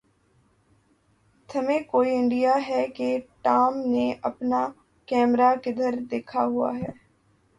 تمھیں کوئی آئڈیا ہے کہ ٹام نے اپنا کیمرہ کدھر دکھا ہوا ہے؟